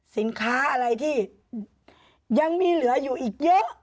สินค้าอะไรที่ยังมีเหลืออยู่อีกเยอะ